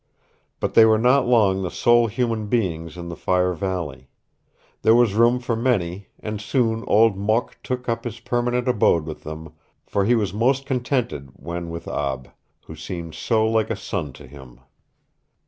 But they were not long the sole human beings in the Fire Valley. There was room for many and soon Old Mok took up his permanent abode with them, for he was most contented when with Ab, who seemed so like a son to him.